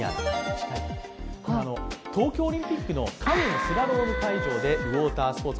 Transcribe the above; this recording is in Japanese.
東京オリンピックのカヌー・スラローム会場でウォータースポーツ。